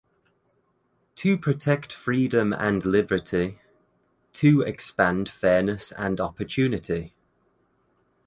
To protect freedom and liberty, to expand fairness and opportunity.